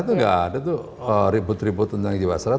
itu nggak ada ribut ribut tentang jiwasraya